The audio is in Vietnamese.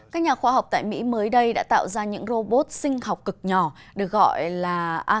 các nhà khoa học tại mỹ mới đây đã tạo ra những robot sinh học cực nhỏ được gọi là app